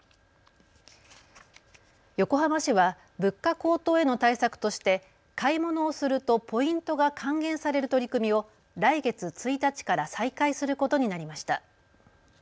横浜市は物価高騰への対策として買い物をするとポイントが還元される取り組みを来月１日から再開することになりました。